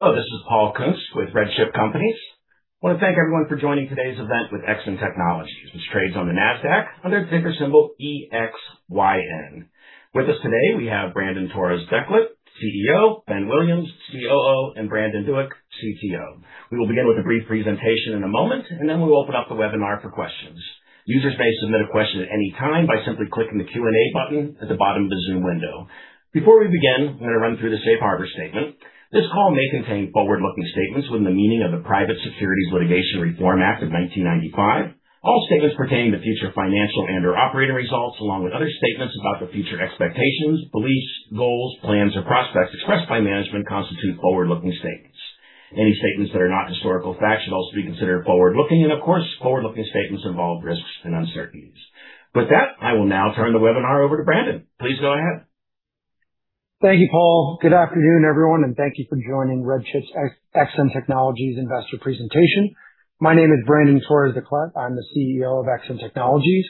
Hello, this is Paul Kuntz with RedChip Companies. I want to thank everyone for joining today's event with Exyn Technologies, which trades on the Nasdaq under the ticker symbol EXYN. With us today, we have Brandon Torres Declet, CEO, Ben Williams, COO, and Brandon Duick, CTO. We will begin with a brief presentation in a moment, and then we'll open up the webinar for questions. Users may submit a question at any time by simply clicking the Q&A button at the bottom of the Zoom window. Before we begin, I'm going to run through the safe harbor statement. This call may contain forward-looking statements within the meaning of the Private Securities Litigation Reform Act of 1995. All statements pertaining to future financial and/or operating results, along with other statements about the future expectations, beliefs, goals, plans, or prospects expressed by management constitute forward-looking statements. Of course, forward-looking statements involve risks and uncertainties. With that, I will now turn the webinar over to Brandon. Please go ahead. Thank you, Paul. Good afternoon, everyone, and thank you for joining RedChip's Exyn Technologies investor presentation. My name is Brandon Torres Declet. I'm the CEO of Exyn Technologies.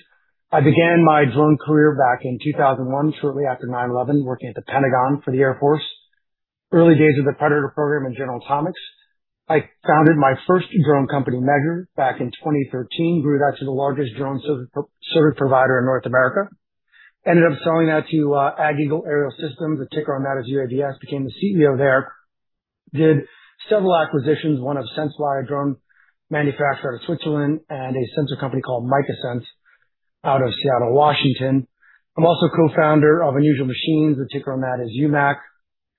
I began my drone career back in 2001, shortly after 9/11, working at the Pentagon for the Air Force. Early days of the Predator program and General Atomics. I founded my first drone company, Measure, back in 2013, grew that to the largest drone service provider in North America. Ended up selling that to AgEagle Aerial Systems. The ticker on that is UAVS, became the CEO there. Did several acquisitions, one of senseFly, a drone manufacturer out of Switzerland, and a sensor company called MicaSense out of Seattle, Washington. I'm also co-founder of Unusual Machines. The ticker on that is UMAC.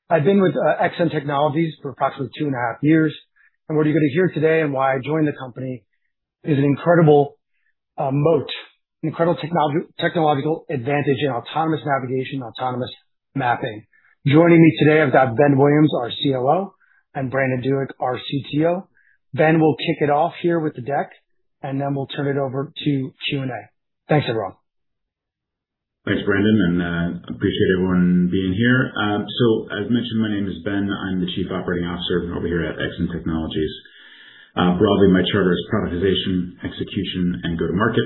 I've been with Exyn Technologies for approximately two and a half years. What you're going to hear today and why I joined the company, is an incredible moat, an incredible technological advantage in autonomous navigation, autonomous mapping. Joining me today, I've got Ben Williams, our COO, and Brandon Duick, our CTO. Ben will kick it off here with the deck, and then we'll turn it over to Q&A. Thanks, everyone. Thanks, Brandon, and appreciate everyone being here. As mentioned, my name is Ben. I'm the Chief Operating Officer over here at Exyn Technologies. Broadly, my charter is prioritization, execution, and go-to-market.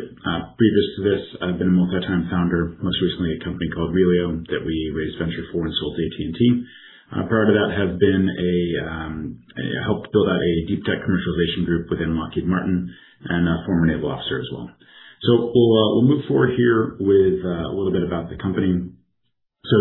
Previous to this, I've been a multi-time founder, most recently a company called ReliOn that we raised venture for and sold to AT&T. Prior to that, I helped build out a deep tech commercialization group within Lockheed Martin and a former naval officer as well. We'll move forward here with a little bit about the company.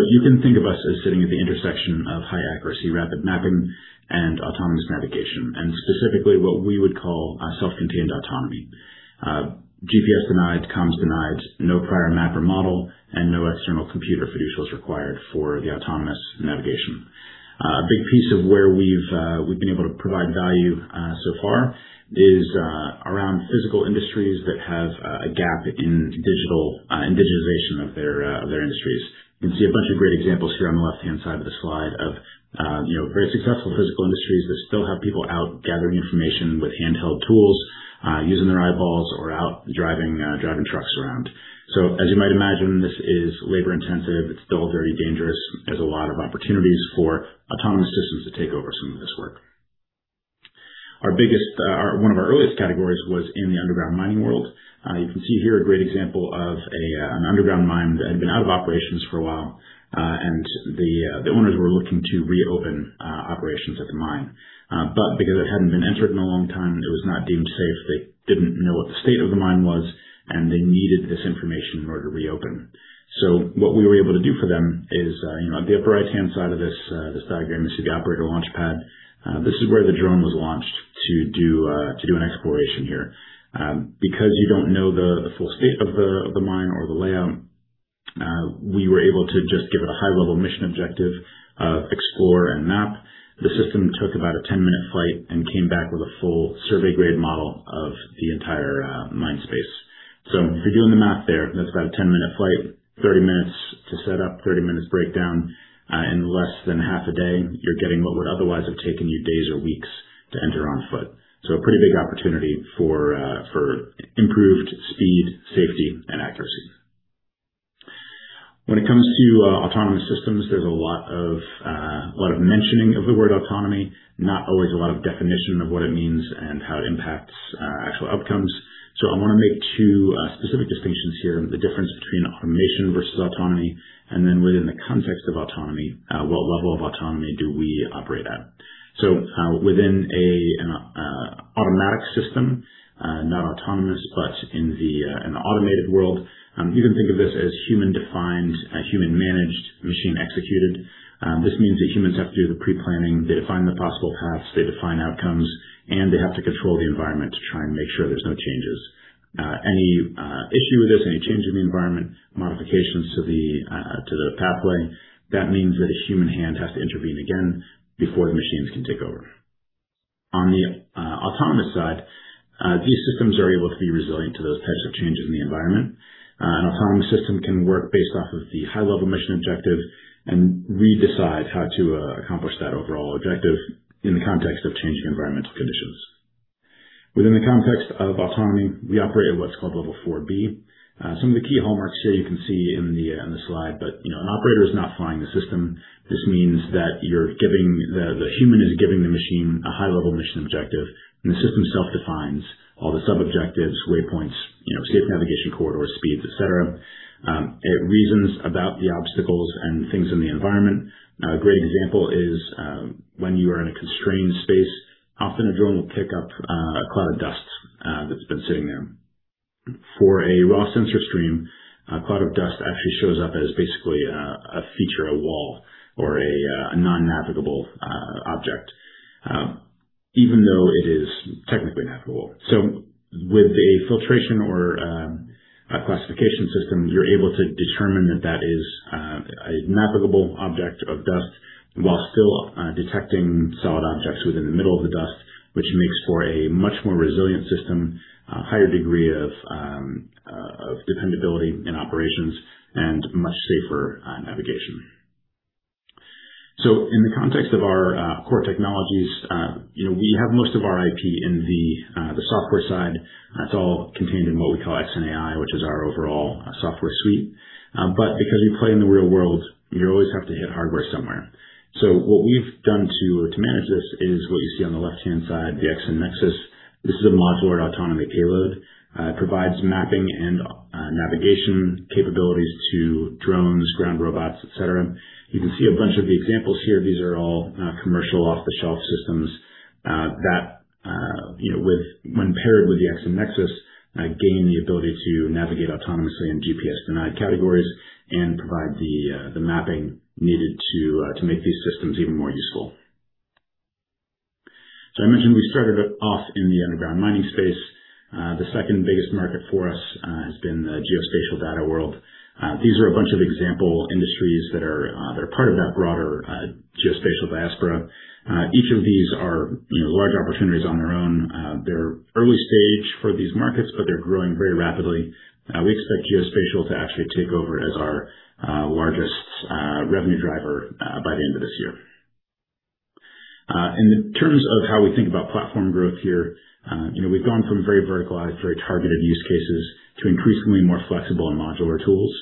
You can think of us as sitting at the intersection of high accuracy, rapid mapping, and autonomous navigation, and specifically what we would call self-contained autonomy. GPS denied, comms denied, no prior map or model, and no external computer fiducials required for the autonomous navigation. A big piece of where we've been able to provide value so far is around physical industries that have a gap in digitization of their industries. You can see a bunch of great examples here on the left-hand side of the slide of very successful physical industries that still have people out gathering information with handheld tools, using their eyeballs or out driving trucks around. As you might imagine, this is labor intensive. It's still very dangerous. There's a lot of opportunities for autonomous systems to take over some of this work. One of our earliest categories was in the underground mining world. You can see here a great example of an underground mine that had been out of operations for a while, and the owners were looking to reopen operations at the mine. Because it hadn't been entered in a long time, it was not deemed safe. They didn't know what the state of the mine was, and they needed this information in order to reopen. What we were able to do for them is, on the upper right-hand side of this diagram, you see the operator launch pad. This is where the drone was launched to do an exploration here. Because you don't know the full state of the mine or the layout, we were able to just give it a high-level mission objective of explore and map. The system took about a 10-minute flight and came back with a full survey-grade model of the entire mine space. If you're doing the math there, that's about a 10-minute flight, 30 minutes to set up, 30 minutes breakdown. In less than half a day, you're getting what would otherwise have taken you days or weeks to enter on foot. A pretty big opportunity for improved speed, safety, and accuracy. When it comes to autonomous systems, there's a lot of mentioning of the word autonomy, not always a lot of definition of what it means and how it impacts actual outcomes. I want to make two specific distinctions here, the difference between automation versus autonomy, and then within the context of autonomy, what level of autonomy do we operate at? Within an automatic system, not autonomous, but in the automated world, you can think of this as human-defined, human-managed, machine executed. This means that humans have to do the pre-planning. They define the possible paths, they define outcomes, and they have to control the environment to try and make sure there's no changes. Any issue with this, any change in the environment, modifications to the pathway, that means that a human hand has to intervene again before the machines can take over. On the autonomous side, these systems are able to be resilient to those types of changes in the environment. An autonomous system can work based off of the high-level mission objective, and we decide how to accomplish that overall objective in the context of changing environmental conditions. Within the context of autonomy, we operate at what's called Level 4B. Some of the key hallmarks here you can see on the slide. An operator is not flying the system. This means that the human is giving the machine a high-level mission objective, and the system self-defines all the sub-objectives, waypoints, safe navigation corridors, speeds, et cetera. It reasons about the obstacles and things in the environment. A great example is when you are in a constrained space, often a drone will pick up a cloud of dust that's been sitting there. For a raw sensor stream, a cloud of dust actually shows up as basically a feature, a wall, or a non-navigable object, even though it is technically navigable. With a filtration or a classification system, you're able to determine that is a navigable object of dust while still detecting solid objects within the middle of the dust, which makes for a much more resilient system, a higher degree of dependability in operations, and much safer navigation. In the context of our core technologies, we have most of our IP in the software side. It's all contained in what we call ExynAI, which is our overall software suite. Because we play in the real world, you always have to hit hardware somewhere. What we've done to manage this is what you see on the left-hand side, the Exyn Nexys. This is a modular and autonomy payload. It provides mapping and navigation capabilities to drones, ground robots, et cetera. You can see a bunch of the examples here. These are all commercial off-the-shelf systems that, when paired with the Exyn Nexys, gain the ability to navigate autonomously in GPS denied categories and provide the mapping needed to make these systems even more useful. I mentioned we started off in the underground mining space. The second biggest market for us has been the geospatial data world. These are a bunch of example industries that are part of that broader geospatial diaspora. Each of these are large opportunities on their own. They're early stage for these markets, but they're growing very rapidly. We expect geospatial to actually take over as our largest revenue driver by the end of this year. In terms of how we think about platform growth here, we've gone from very verticalized, very targeted use cases to increasingly more flexible and modular tools.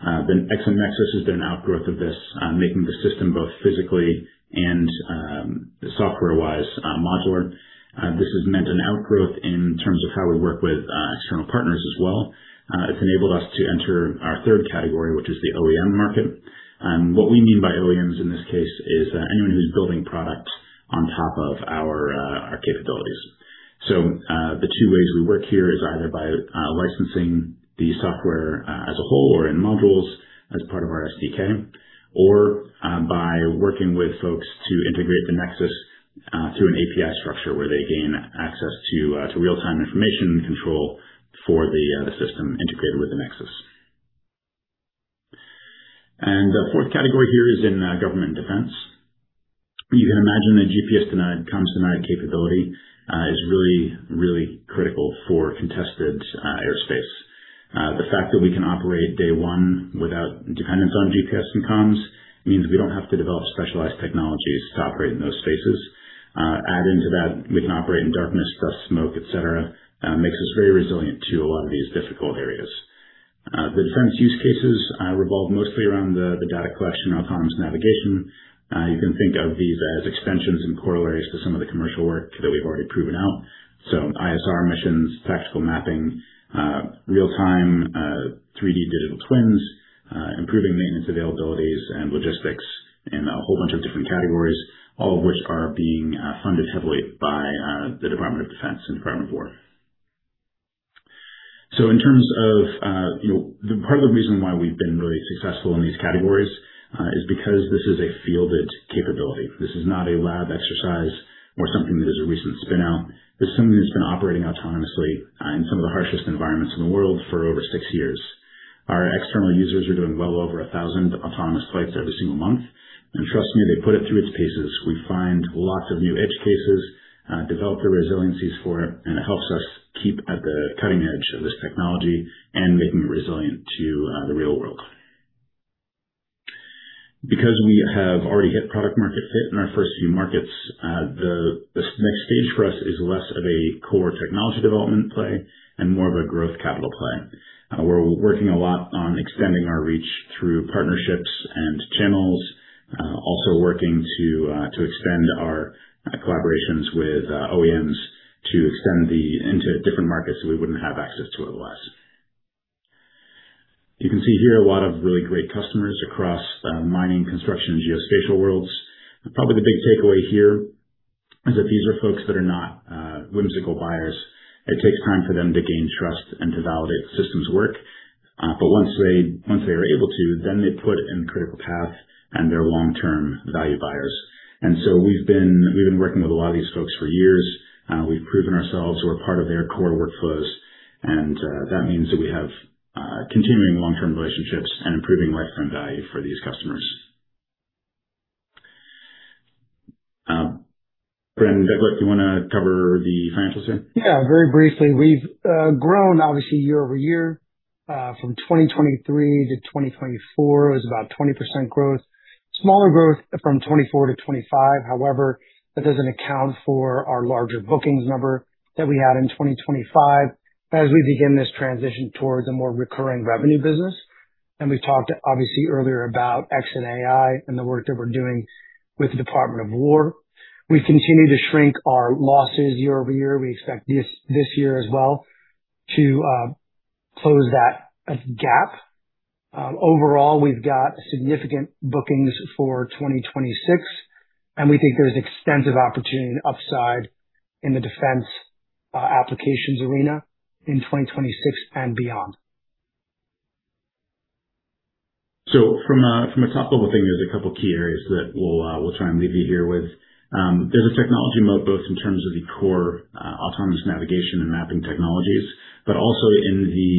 Exyn Nexys has been an outgrowth of this, making the system both physically and software-wise modular. This has meant an outgrowth in terms of how we work with external partners as well. It's enabled us to enter our 3rd category, which is the OEM market. What we mean by OEMs in this case is anyone who's building product on top of our capabilities. The two ways we work here is either by licensing the software as a whole or in modules as part of our SDK, or by working with folks to integrate the Nexys through an API structure where they gain access to real-time information and control for the system integrated with the Nexys. The fourth category here is in government defense. You can imagine a GPS-denied, comms-denied capability is really, really critical for contested airspace. The fact that we can operate day one without dependence on GPS and comms means we don't have to develop specialized technologies to operate in those spaces. Add into that, we can operate in darkness, dust, smoke, et cetera, makes us very resilient to a lot of these difficult areas. The defense use cases revolve mostly around the data collection, autonomous navigation. You can think of these as extensions and corollaries to some of the commercial work that we've already proven out. ISR missions, tactical mapping, real-time 3D digital twins, improving maintenance availabilities and logistics in a whole bunch of different categories, all of which are being funded heavily by the Department of Defense and Department of War. Part of the reason why we've been really successful in these categories is because this is a fielded capability. This is not a lab exercise or something that is a recent spin out. This is something that's been operating autonomously in some of the harshest environments in the world for over six years. Our external users are doing well over 1,000 autonomous flights every single month. Trust me, they put it through its paces. We find lots of new edge cases, develop the resiliencies for it, and it helps us keep at the cutting edge of this technology and making it resilient to the real world. We have already hit product market fit in our first few markets, this next stage for us is less of a core technology development play and more of a growth capital play. We're working a lot on extending our reach through partnerships and channels. Also working to extend our collaborations with OEMs to extend into different markets that we wouldn't have access to otherwise. You can see here a lot of really great customers across mining, construction, and geospatial worlds. Probably the big takeaway here is that these are folks that are not whimsical buyers. It takes time for them to gain trust and to validate the systems work. Once they are able to, then they put in critical path and they're long-term value buyers. We've been working with a lot of these folks for years. We've proven ourselves. We're part of their core workflows, and that means that we have continuing long-term relationships and improving lifetime value for these customers. Brandon, do you want to cover the financials here? Very briefly. We've grown, obviously, year-over-year. From 2023 to 2024, it was about 20% growth. Smaller growth from 2024 to 2025. However, that doesn't account for our larger bookings number that we had in 2025 as we begin this transition towards a more recurring revenue business. We talked obviously earlier about ExynAI and the work that we're doing with the Department of Defense. We continue to shrink our losses year-over-year. We expect this year as well to close that gap. Overall, we've got significant bookings for 2026, and we think there's extensive opportunity and upside in the defense applications arena in 2026 and beyond. From a top-level thing, there's a couple key areas that we'll try and leave you here with. There's a technology moat, both in terms of the core autonomous navigation and mapping technologies, but also in the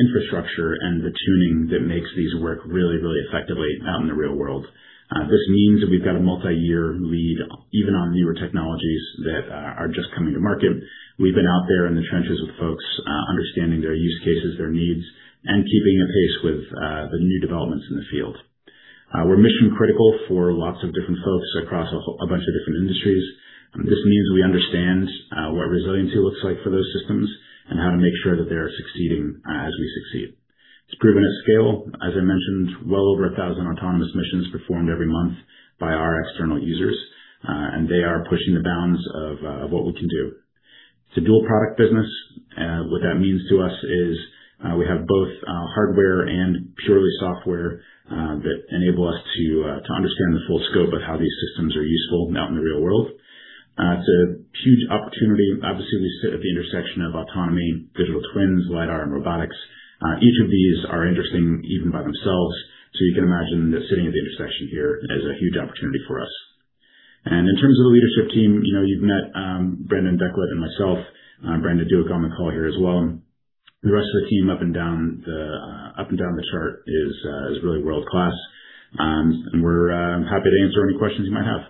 infrastructure and the tuning that makes these work really effectively out in the real world. This means that we've got a multi-year lead, even on newer technologies that are just coming to market. We've been out there in the trenches with folks, understanding their use cases, their needs, and keeping apace with the new developments in the field. We're mission-critical for lots of different folks across a bunch of different industries. This means we understand what resiliency looks like for those systems and how to make sure that they are succeeding as we succeed. It's proven at scale, as I mentioned, well over 1,000 autonomous missions performed every month by our external users, and they are pushing the bounds of what we can do. It's a dual product business. What that means to us is we have both hardware and purely software that enable us to understand the full scope of how these systems are useful out in the real world. It's a huge opportunity. Obviously, we sit at the intersection of autonomy, digital twins, lidar, and robotics. Each of these are interesting even by themselves, so you can imagine that sitting at the intersection here is a huge opportunity for us. In terms of the leadership team, you've met Brandon Torres Declet and myself. Brandon Duick on the call here as well. The rest of the team up and down the chart is really world-class. We're happy to answer any questions you might have.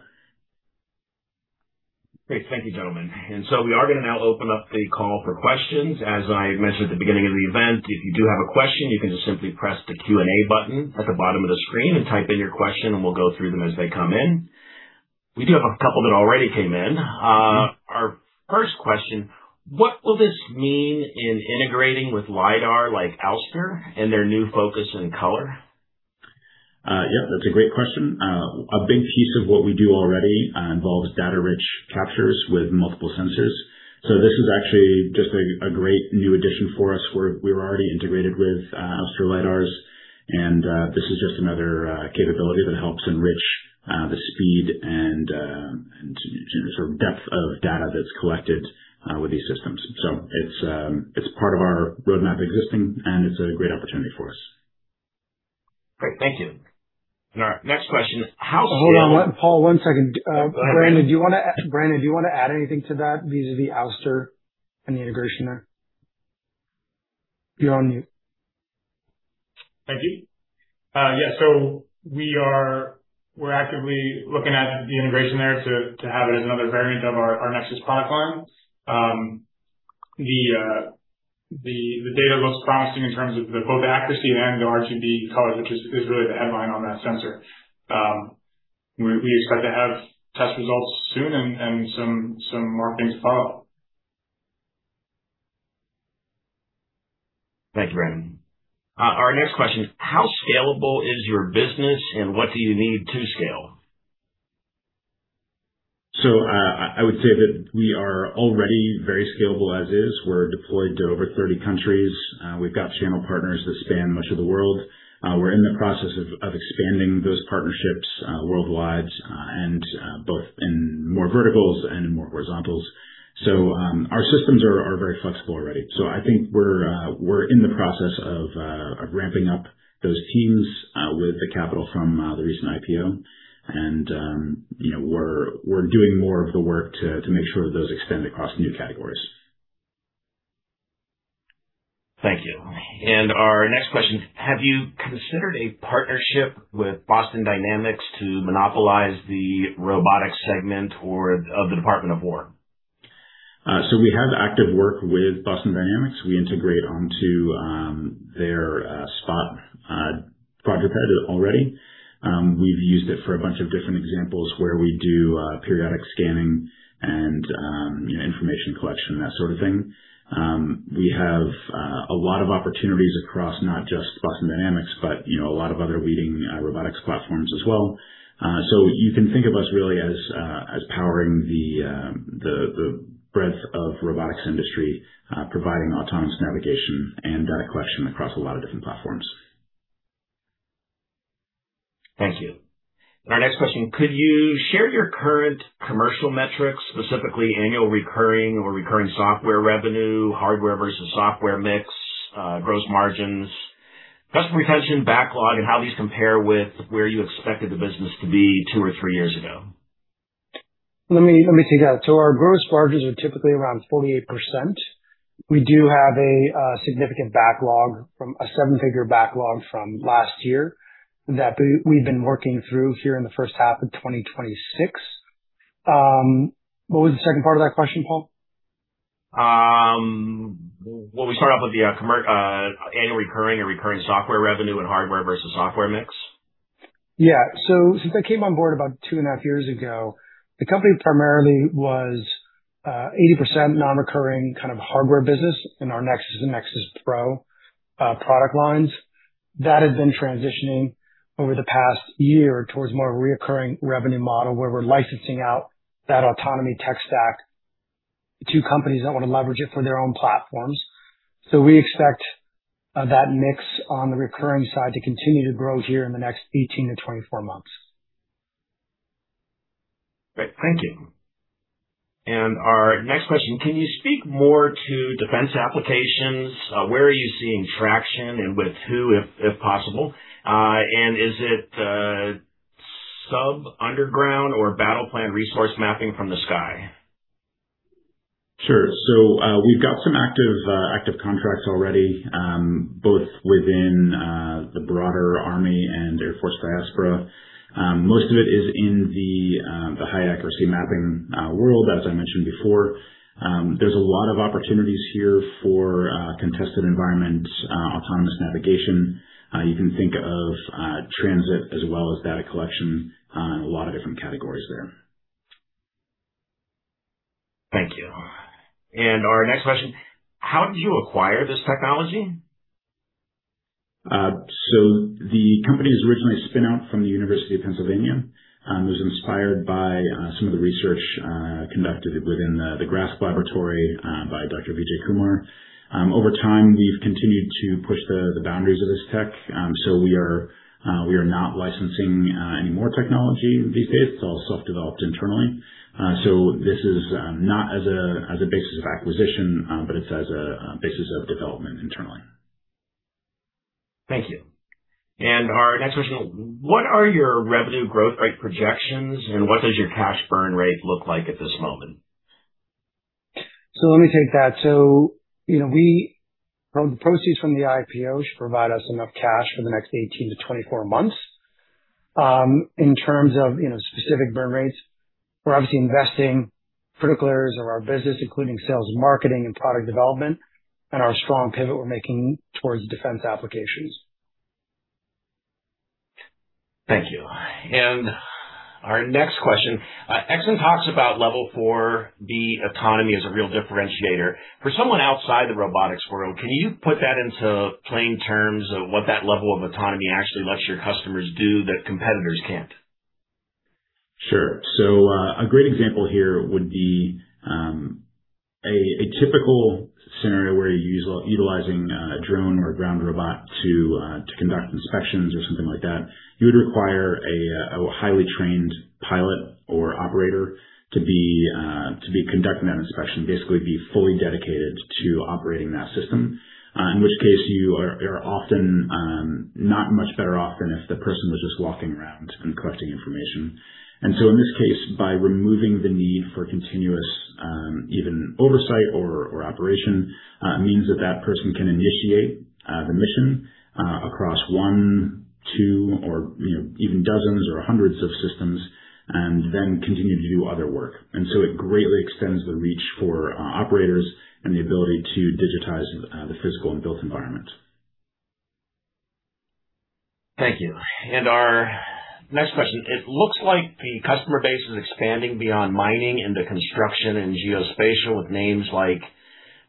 Great. Thank you, gentlemen. We are going to now open up the call for questions. As I mentioned at the beginning of the event, if you do have a question, you can just simply press the Q&A button at the bottom of the screen and type in your question and we'll go through them as they come in. We do have a couple that already came in. Our first question, what will this mean in integrating with lidar like Ouster and their new focus and color? Yeah, that's a great question. A big piece of what we do already involves data-rich captures with multiple sensors. This is actually just a great new addition for us. We're already integrated with Ouster lidars, and this is just another capability that helps enrich the speed and sort of depth of data that's collected with these systems. It's part of our roadmap existing, and it's a great opportunity for us. Great. Thank you. All right, next question. Hold on, Paul, one second. Go ahead. Brandon, do you want to add anything to that vis-à-vis Ouster and the integration there? You're on mute. Thank you. Yeah, we're actively looking at the integration there to have it as another variant of our Nexys product line. The data looks promising in terms of both the accuracy and the RGB color, which is really the headline on that sensor. We expect to have test results soon and some more things to follow up. Thank you, Brandon. Our next question, how scalable is your business, and what do you need to scale? I would say that we are already very scalable as is. We are deployed to over 30 countries. We have channel partners that span much of the world. We are in the process of expanding those partnerships worldwide and both in more verticals and in more horizontals. Our systems are very flexible already. I think we are in the process of ramping up those teams with the capital from the recent IPO. We are doing more of the work to make sure those extend across new categories. Thank you. Our next question, have you considered a partnership with Boston Dynamics to monopolize the robotics segment of the Department of War? We have active work with Boston Dynamics. We integrate onto their Spot project already. We have used it for a bunch of different examples where we do periodic scanning and information collection, that sort of thing. We have a lot of opportunities across not just Boston Dynamics, but a lot of other leading robotics platforms as well. You can think of us really as powering the breadth of robotics industry, providing autonomous navigation and data collection across a lot of different platforms. Thank you. Our next question, could you share your current commercial metrics, specifically annual recurring or recurring software revenue, hardware versus software mix, gross margins, customer retention, backlog, and how these compare with where you expected the business to be two or three years ago? Let me take that. Our gross margins are typically around 48%. We do have a significant backlog, a seven-figure backlog from last year that we've been working through here in the first half of 2026. What was the second part of that question, Paul? Well, we start off with the annual recurring or recurring software revenue and hardware versus software mix. Yeah. Since I came on board about two and a half years ago, the company primarily was 80% non-recurring kind of hardware business in our Nexys and Nexys Pro product lines. That has been transitioning over the past year towards more of a reoccurring revenue model where we're licensing out that autonomy tech stack to companies that want to leverage it for their own platforms. We expect that mix on the recurring side to continue to grow here in the next 18-24 months. Great. Thank you. Our next question, can you speak more to defense applications? Where are you seeing traction and with who, if possible? Is it sub underground or battle plan resource mapping from the sky? Sure. We've got some active contracts already, both within the broader U.S. Army and Air Force diaspora. Most of it is in the high accuracy mapping world, as I mentioned before. There's a lot of opportunities here for contested environment, autonomous navigation. You can think of transit as well as data collection in a lot of different categories there. Thank you. Our next question, how did you acquire this technology? The company was originally a spinout from the University of Pennsylvania. It was inspired by some of the research conducted within the GRASP Laboratory by Dr. Vijay Kumar. Over time, we've continued to push the boundaries of this tech. We are not licensing any more technology these days. It's all self-developed internally. This is not as a basis of acquisition, but it's as a basis of development internally. Thank you. Our next question, what are your revenue growth rate projections, and what does your cash burn rate look like at this moment? Let me take that. The proceeds from the IPO should provide us enough cash for the next 18-24 months. In terms of specific burn rates, we're obviously investing critical areas of our business, including sales and marketing and product development and our strong pivot we're making towards defense applications. Thank you. Our next question. Exyn talks about level four autonomy as a real differentiator. For someone outside the robotics world, can you put that into plain terms of what that level of autonomy actually lets your customers do that competitors can't? Sure. A great example here would be a typical scenario where you're utilizing a drone or ground robot to conduct inspections or something like that. You would require a highly trained pilot or operator to be conducting that inspection, basically be fully dedicated to operating that system. In which case, you are often not much better off than if the person was just walking around and collecting information. In this case, by removing the need for continuous even oversight or operation, it means that that person can initiate the mission across one, two, or even dozens or hundreds of systems and then continue to do other work. It greatly extends the reach for operators and the ability to digitize the physical and built environment. Thank you. Our next question. It looks like the customer base is expanding beyond mining into construction and geospatial with names like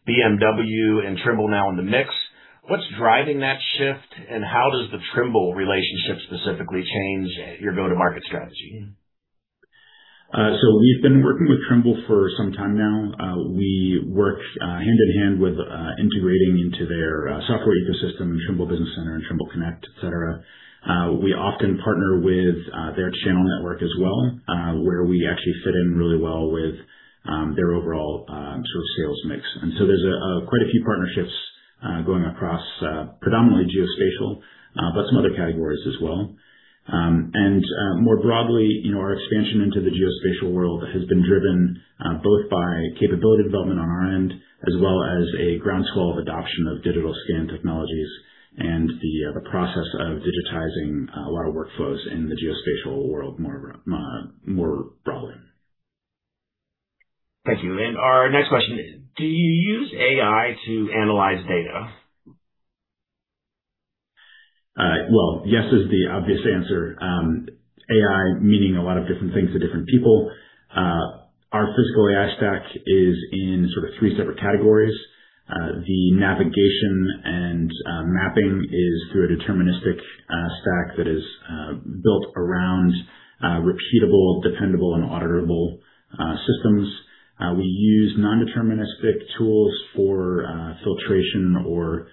BMW and Trimble now in the mix. What's driving that shift, and how does the Trimble relationship specifically change your go-to-market strategy? We've been working with Trimble for some time now. We work hand in hand with integrating into their software ecosystem in Trimble Business Center and Trimble Connect, et cetera. We often partner with their channel network as well, where we actually fit in really well with their overall sort of sales mix. There's quite a few partnerships going across predominantly geospatial, but some other categories as well. More broadly, our expansion into the geospatial world has been driven both by capability development on our end as well as a groundswell of adoption of digital scan technologies and the process of digitizing a lot of workflows in the geospatial world more broadly. Thank you. Our next question. Do you use AI to analyze data? Well, yes is the obvious answer. AI meaning a lot of different things to different people. Our physical AI stack is in sort of three separate categories. The navigation and mapping is through a deterministic stack that is built around repeatable, dependable and auditable systems. We use non-deterministic tools for filtration or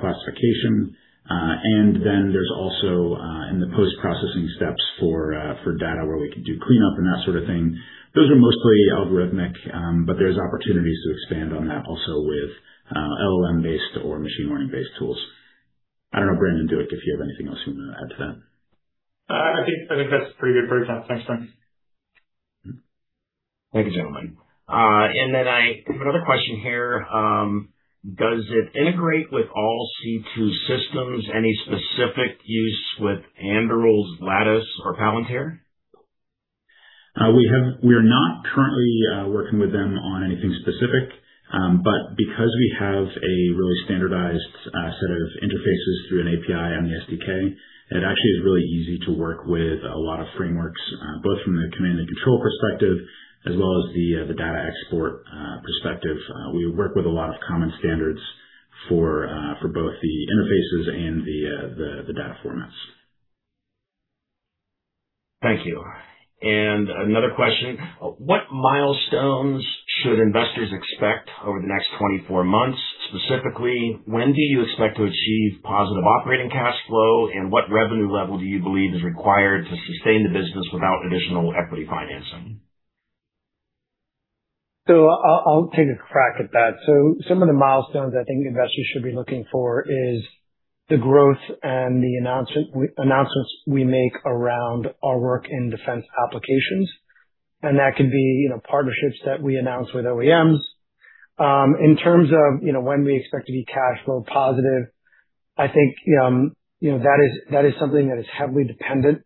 classification. There's also in the post-processing steps for data where we can do cleanup and that sort of thing. Those are mostly algorithmic, but there's opportunities to expand on that also with LLM-based or machine learning-based tools. I don't know, Brandon Duick, if you have anything else you want to add to that. I think that's a pretty good breakdown. Thanks, Ben. Thank you, gentlemen. I have another question here. Does it integrate with all C2 systems? Any specific use with Anduril's Lattice or Palantir? We are not currently working with them on anything specific. Because we have a really standardized set of interfaces through an API and the SDK, it actually is really easy to work with a lot of frameworks, both from the command and control perspective as well as the data export perspective. We work with a lot of common standards for both the interfaces and the data formats. Thank you. Another question. What milestones should investors expect over the next 24 months? Specifically, when do you expect to achieve positive operating cash flow, and what revenue level do you believe is required to sustain the business without additional equity financing? I'll take a crack at that. Some of the milestones I think investors should be looking for is the growth and the announcements we make around our work in defense applications. That can be partnerships that we announce with OEMs. In terms of when we expect to be cash flow positive, I think that is something that is heavily dependent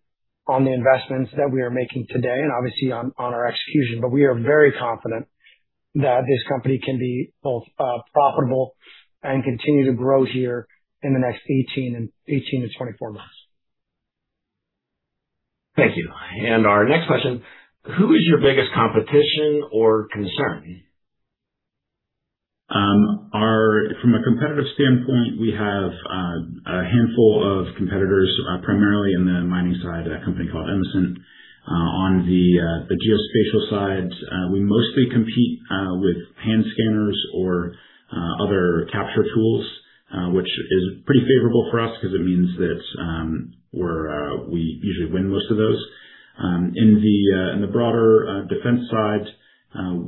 on the investments that we are making today and obviously on our execution. We are very confident that this company can be both profitable and continue to grow here in the next 18-24 months. Thank you. Our next question, who is your biggest competition or concern? From a competitive standpoint, we have a handful of competitors, primarily in the mining side, a company called Emesent. On the geospatial side, we mostly compete with hand scanners or other capture tools, which is pretty favorable for us because it means that we usually win most of those. In the broader defense side,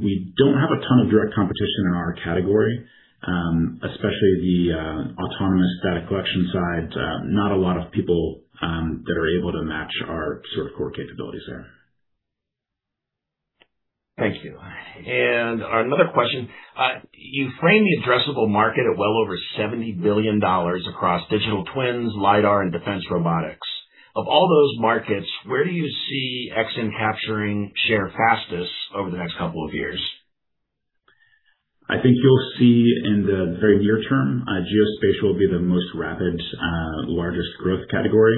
we don't have a ton of direct competition in our category, especially the autonomous data collection side. Not a lot of people that are able to match our sort of core capabilities there. Thank you. Another question. You frame the addressable market at well over $70 billion across digital twins, lidar, and defense robotics. Of all those markets, where do you see Exyn capturing share fastest over the next couple of years? I think you'll see in the very near term, geospatial will be the most rapid, largest growth category,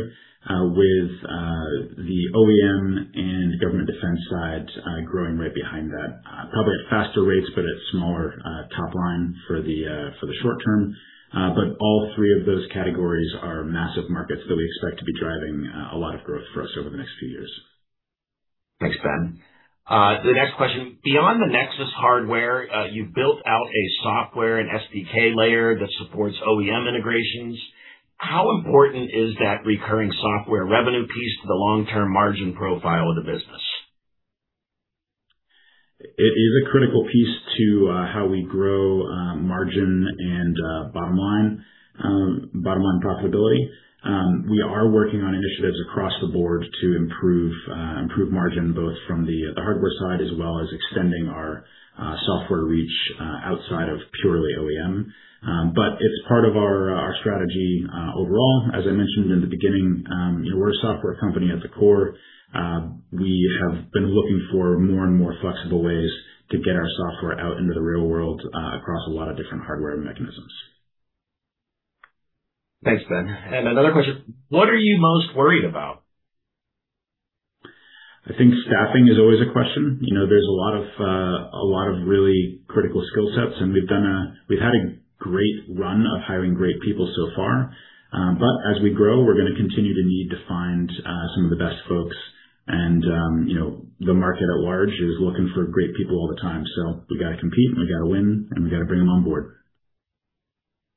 with the OEM and government defense side growing right behind that. Probably at faster rates, but at smaller top line for the short term. All three of those categories are massive markets that we expect to be driving a lot of growth for us over the next few years. Thanks, Ben. The next question. Beyond the Nexys hardware, you've built out a software and SDK layer that supports OEM integrations. How important is that recurring software revenue piece to the long-term margin profile of the business? It is a critical piece to how we grow margin and bottom line profitability. We are working on initiatives across the board to improve margin, both from the hardware side as well as extending our software reach outside of purely OEM. It's part of our strategy overall. As I mentioned in the beginning, we're a software company at the core. We have been looking for more and more flexible ways to get our software out into the real world across a lot of different hardware mechanisms. Thanks, Ben. Another question. What are you most worried about? I think staffing is always a question. There's a lot of really critical skill sets, and we've had a great run of hiring great people so far. As we grow, we're going to continue to need to find some of the best folks. The market at large is looking for great people all the time. We got to compete, we got to win, and we got to bring them on board.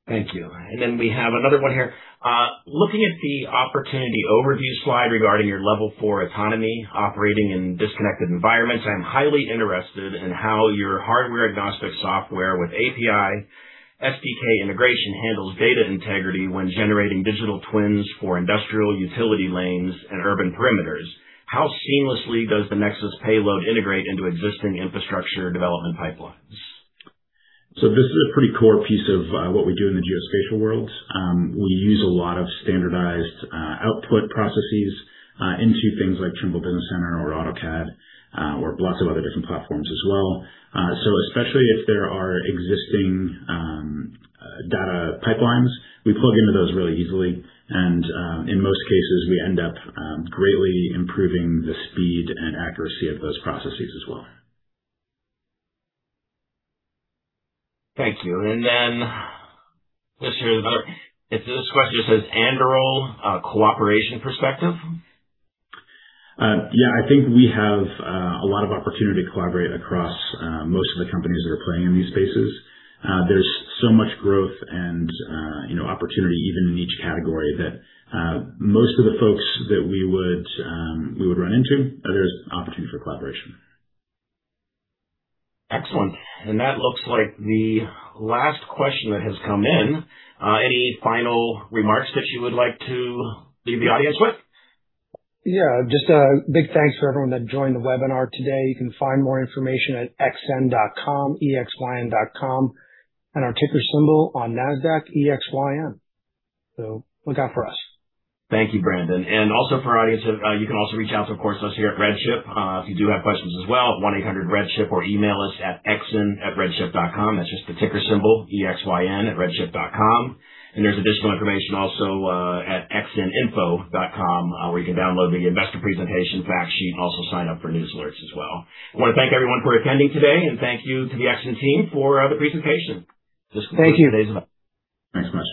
Thank you. We have another one here. Looking at the opportunity overview slide regarding your Level four autonomy operating in disconnected environments, I'm highly interested in how your hardware-agnostic software with API SDK integration handles data integrity when generating digital twins for industrial utility lanes and urban perimeters. How seamlessly does the Nexys payload integrate into existing infrastructure development pipelines? This is a pretty core piece of what we do in the geospatial world. We use a lot of standardized output processes into things like Trimble Business Center or AutoCAD or lots of other different platforms as well. Especially if there are existing data pipelines, we plug into those really easily. In most cases, we end up greatly improving the speed and accuracy of those processes as well. Thank you. Let's hear the other. This question says, Anduril cooperation perspective? I think we have a lot of opportunity to collaborate across most of the companies that are playing in these spaces. There's so much growth and opportunity even in each category that most of the folks that we would run into, there's opportunity for collaboration. Excellent. That looks like the last question that has come in. Any final remarks that you would like to leave the audience with? Yeah, just a big thanks for everyone that joined the webinar today. You can find more information at exyn.com, E-X-Y-N .com, and our ticker symbol on Nasdaq, EXYN. Look out for us. Thank you, Brandon. Also for our audience, you can also reach out to, of course, us here at RedChip if you do have questions as well at 1-800 REDCHIP or email us at exyn@redchip.com. That's just the ticker symbol, EXYN @redchip.com. There's additional information also at exyn.info where you can download the investor presentation fact sheet and also sign up for news alerts as well. I want to thank everyone for attending today and thank you to the Exyn team for the presentation. This concludes today's event. Thank you. Thanks much.